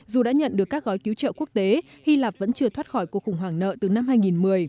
dù đã nhận được các gói cứu trợ quốc tế hy lạp vẫn chưa thoát khỏi cuộc khủng hoảng nợ từ năm hai nghìn một mươi